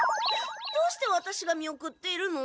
どうしてワタシが見送っているの？